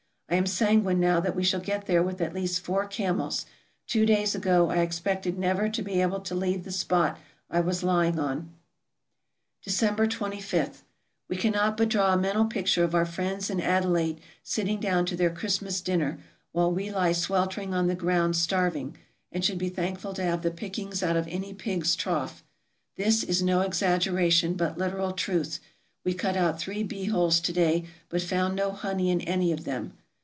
I am sanguine now that we shall get there with at least four camels ; two days ago I expected never to be able to leave the spot I was lying on. December 2j. — We cannot but draw a mental picture of our friends in Adelaide sitting down to their Christmas dinner, while we lie sweltering on the ground starving, and should be thankful to have the pickings out of any pig's trough. This is no exaggeration, but literal truth. We cut out three bee holes to day, but found no honey in any of them.